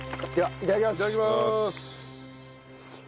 いただきます。